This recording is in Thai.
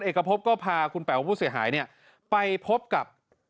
พระอาจารย์ออสบอกว่าอาการของคุณแป๋วผู้เสียหายคนนี้อาจจะเกิดจากหลายสิ่งประกอบกัน